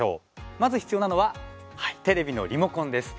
まず必要なのはテレビのリモコンです。